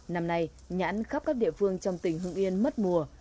năm nay nhãn khắp các địa phương trong tỉnh hưng yên mất mùa